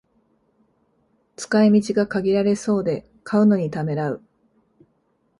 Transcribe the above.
使い道が限られそうで買うのにためらう